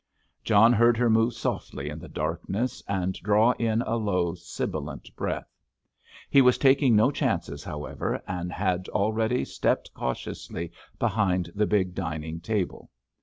John heard her move softly in the darkness, and draw in a low, sibilant breath. He was taking no chances, however, and had already stepped cautiously behind the big dining table.